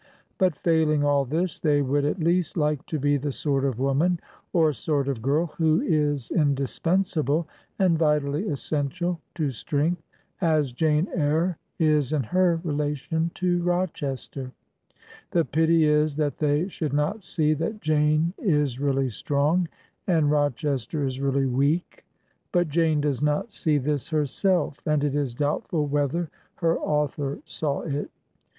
But failing all this, they would at least like to be the sort of woman or sort of girl who is indispensable and vitally essential to strength, as Jane Eyre is in her relation to Rochester. The pity is that they should not see that Jane is really strong, and Rochester is really weak; but Jane does not see 228 Digitized by VjOOQIC THE TWO CATHARINES OF EMILY BRONTE this herself, and it is doubtful whether her author saw it.